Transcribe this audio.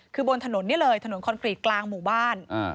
คือบนถนนนี่เลยถนนคอนกรีตกลางหมู่บ้าน